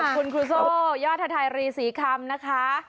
คุณครูโซ่ยอดทัยรีศรีคำนะคะ